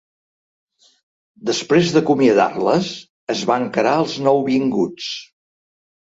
Després d'acomiadar-les, es va encarar als nouvinguts.